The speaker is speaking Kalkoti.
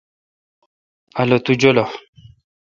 الو تو جولہ۔